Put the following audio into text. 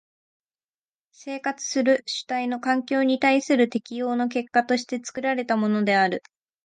生活する主体の環境に対する適応の結果として作られたものである。